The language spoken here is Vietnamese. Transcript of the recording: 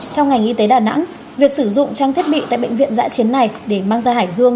theo ngành y tế đà nẵng việc sử dụng trang thiết bị tại bệnh viện giã chiến này để mang ra hải dương